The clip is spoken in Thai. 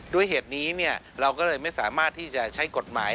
ด้วยเหตุนี้เราก็เลยไม่สามารถที่จะใช้กฎหมาย